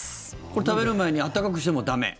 これ、食べる前に温かくしても駄目？